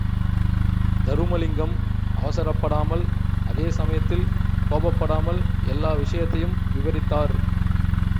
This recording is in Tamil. தருமலிங்கம் அவசரப்படாமல், அதே சமயத்தில் கோபப்படாமல் எல்லா விஷயத்தையும் விவரித்தார்.